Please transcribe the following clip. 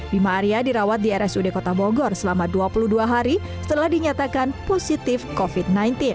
bima arya dirawat di rsud kota bogor selama dua puluh dua hari setelah dinyatakan positif covid sembilan belas